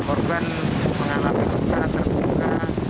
organ mengalami luka terbuka